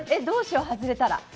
どうしよう、外れたら。